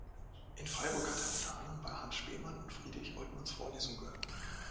In Freiburg hat er unter anderem bei Hans Spemann und Friedrich Oltmanns Vorlesungen gehört.